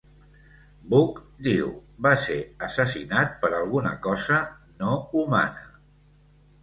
Buck, diu, va ser assassinat per alguna cosa no humana.